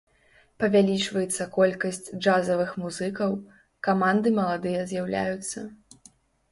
Павялічваецца колькасць джазавых музыкаў, каманды маладыя з'яўляюцца.